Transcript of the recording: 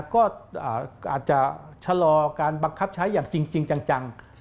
ก็อาจจะชะลอการบังคับใช้อย่างจริงจัง